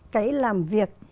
cái làm việc